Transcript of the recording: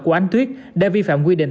của anh tuyết đã vi phạm quy định